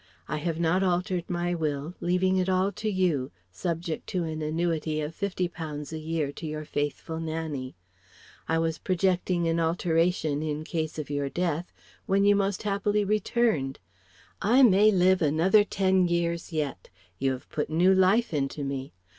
I have not altered my will leaving it all to you, subject to an annuity of £50 a year to your faithful Nannie. I was projecting an alteration in case of your death, when you most happily returned. I may live another ten years yet. You have put new life into me.